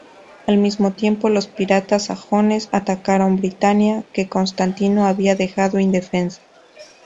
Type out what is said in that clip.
Al mismo tiempo, los piratas sajones atacaron Britania, que Constantino había dejado indefensa.